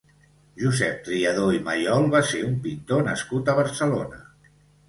Josep Triadó i Mayol va ser un pintor nascut a Barcelona.